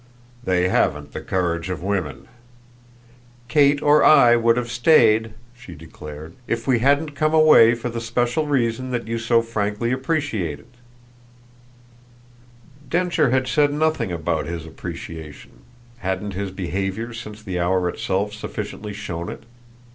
"They haven't the courage of women." "Kate or I would have stayed," she declared "if we hadn't come away for the special reason that you so frankly appreciated." Densher had said nothing about his appreciation: hadn't his behaviour since the hour itself sufficiently shown it?